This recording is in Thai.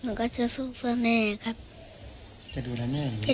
หนูก็จะสู้เพื่อแม่ครับ